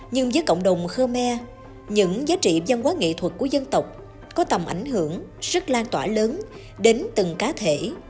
nhưng với cộng đồng khmer những giá trị văn hóa nghệ thuật của dân tộc có tầm ảnh hưởng sức lan tỏa lớn đến từng cá thể